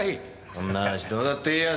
そんな話どうだっていいよ